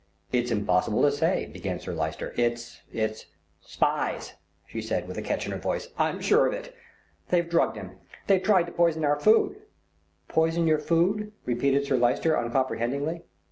"It's impossible to say," began Sir Lyster, "it's it's " "Spies," she said with a catch in her voice. "I'm sure of it. They've drugged him. They tried to poison our food." "Poison your food," repeated Sir Lyster uncomprehendingly.